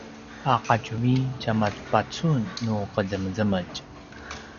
a qatjuvi tjamapacun nu qezemezemetj